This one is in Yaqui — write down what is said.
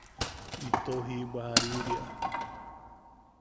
Ito jiʼibwa jariuria.